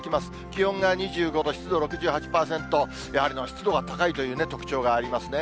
気温が２５度、湿度６８％、やはり湿度が高いという特徴がありますね。